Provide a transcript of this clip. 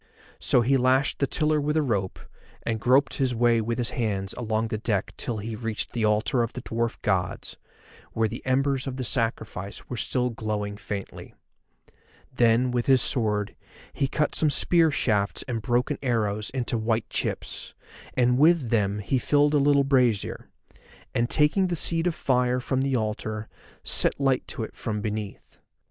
So he lashed the tiller with a rope, and groped his way with his hands along the deck till he reached the altar of the dwarf gods, where the embers of the sacrifice still were glowing faintly. Then with his sword he cut some spear shafts and broken arrows into white chips, and with them he filled a little brazier, and taking the seed of fire from the altar set light to it from beneath.